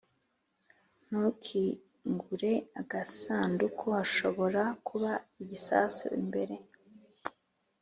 ntukingure agasanduku. hashobora kuba igisasu imbere.